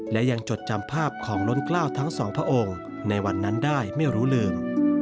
และยังจดจำภาพของล้นกล้าวทั้งสองพระองค์ในวันนั้นได้ไม่รู้ลืม